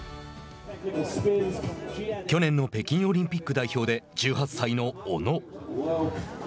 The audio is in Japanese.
去年の北京オリンピック代表で１８歳の小野。